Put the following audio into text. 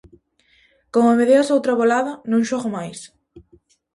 Como me deas outra bolada, non xogo máis.